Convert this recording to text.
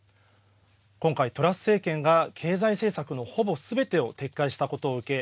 今回トラス政権が経済政策のほぼすべてを撤回したことを受け